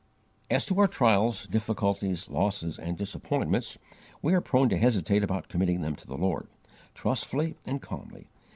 As to our trials, difficulties, losses, and disappointments, we are prone to hesitate about committing them to the Lord, trustfully and calmly.